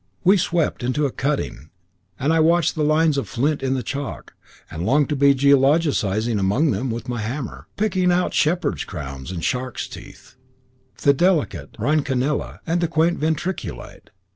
We swept into a cutting, and I watched the lines of flint in the chalk, and longed to be geologising among them with my hammer, picking out "shepherds' crowns" and sharks' teeth, the delicate rhynconella and the quaint ventriculite.